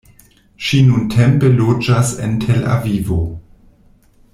Ŝi nuntempe loĝas en Tel Avivo.